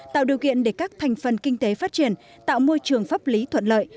tạo điều kiện để các thành phần kinh tế phát triển tạo môi trường pháp lý thuận lợi